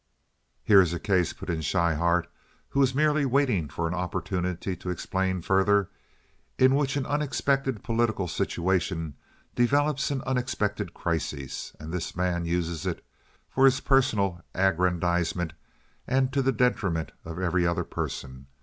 "Here is a case," put in Schryhart, who was merely waiting for an opportunity to explain further, "in which an unexpected political situation develops an unexpected crisis, and this man uses it for his personal aggrandizement and to the detriment of every other person.